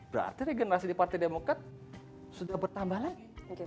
berarti regenerasi di partai demokrat sudah bertambah lagi